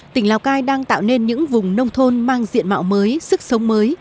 tỉnh lào cai đang tạo nên những vùng nông thôn mang diện mạo mới sức sống mới